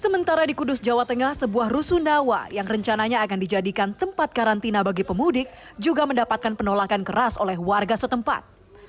sementara di kudus jawa tengah sebuah rusunawa yang rencananya akan dijadikan tempat karantina bagi pemudik juga mendapatkan penolakan keras oleh warga setempat